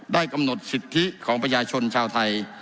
กำหนดสิทธิของประชาชนชาวไทย